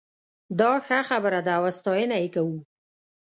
دا ښه خبره ده او ستاينه یې کوو